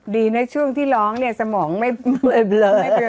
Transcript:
ดีนะช่วงที่ร้องเนี่ยสมองไม่เบลอ